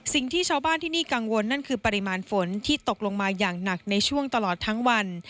สิ่งที่ชาวบ้านที่นี่กังวลนั่นคือปริมาณฝนที่ตกลงมาอย่างหนักในช่วงตลอดทั้งวัน